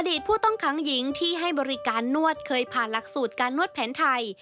ผู้ต้องขังหญิงที่ให้บริการนวดเคยผ่านหลักสูตรการนวดแผนไทย